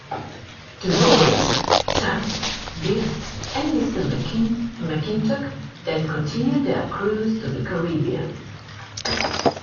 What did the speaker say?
The boys, Chet, Biff, and Mr. McClintock then continue their cruise to the Caribbean.